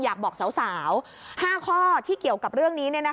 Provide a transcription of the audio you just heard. อยากบอกสาว๕ข้อที่เกี่ยวกับเรื่องนี้